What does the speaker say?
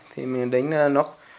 thì mình đánh nó